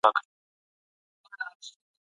دا ټولې خبرې د اسلامي شریعت په رڼا کي دي.